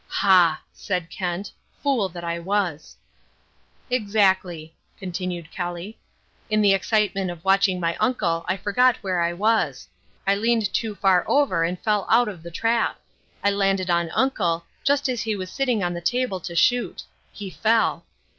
'" "Ha!" said Kent. "Fool that I was." "Exactly," continued Kelly. "In the excitement of watching my uncle I forgot where I was, I leaned too far over and fell out of the trap. I landed on uncle, just as he was sitting on the table to shoot. He fell."